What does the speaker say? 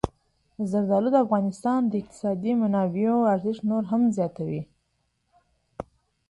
زردالو د افغانستان د اقتصادي منابعو ارزښت نور هم زیاتوي.